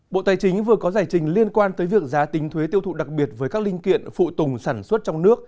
bộ tài chính vừa có giải trình liên quan tới việc giá tính thuế tiêu thụ đặc biệt với các linh kiện phụ tùng sản xuất trong nước